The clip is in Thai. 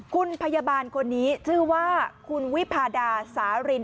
คุณพยาบาลคนนี้ชื่อว่าคุณวิพาดาสาริน